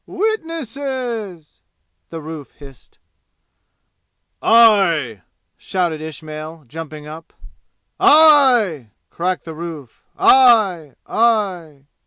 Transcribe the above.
"Witnesses?" the roof hissed. "I!" shouted Ismail, jumping up. "I!" cracked the roof. "I! I!"